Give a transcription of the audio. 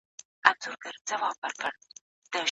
سور سالو د شناخته پېغلي معلومېږي.